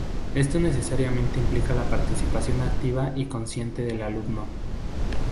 Esto necesariamente implica la participación activa y consciente del alumno.